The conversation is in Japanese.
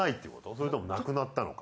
それともなくなったのか。